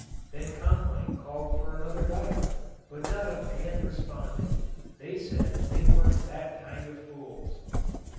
Then Conkling called for another diver, but not a man responded. They said they weren't that kind of fools.